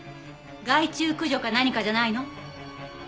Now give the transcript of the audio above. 害虫駆除か何かじゃないの？